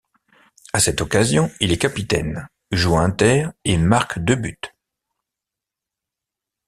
À cette occasion, il est capitaine, joue inter et marque deux buts.